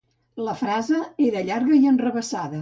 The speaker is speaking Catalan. La frase era llarga i enrevessada.